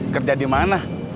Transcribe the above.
kerja di mana